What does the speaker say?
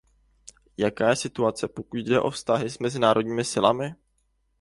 Jaká je situace, pokud jde o vztahy s mezinárodními silami?